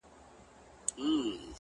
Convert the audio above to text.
هغه نن بيا د چا د ياد گاونډى!!